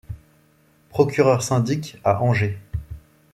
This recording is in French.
Procureur-syndic à Angers.